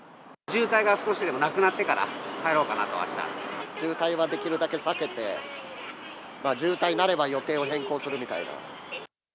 渋滞が少しでもなくなってか渋滞はできるだけ避けて、渋滞になれば予定を変更するみたいな。